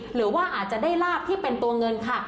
หรือว่าอาจจะได้ลาบที่เป็นตัวเงินค่ะ